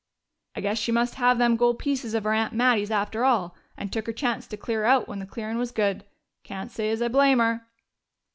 "I guess she must have them gold pieces of her aunt Mattie's after all, and took her chance to clear out when the clearin' was good. Can't say as I blame her!"